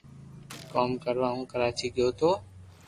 ڪوم ڪروا ھون ڪراچي گيو تو